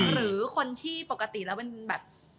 หรือคนที่ปกติแล้วเป็นแบบ